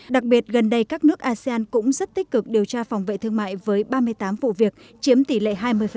đặc biệt gần đây các nước asean cũng rất tích cực điều tra phòng vệ thương mại với ba mươi tám vụ việc chiếm tỷ lệ hai mươi